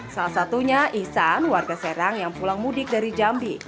salah satunya ihsan warga serang yang pulang mudik dari jambi